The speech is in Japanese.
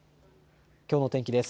きょうの天気です。